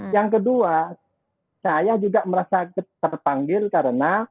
yang kedua saya juga merasa terpanggil karena